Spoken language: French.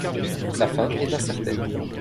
Sa fin est incertaine.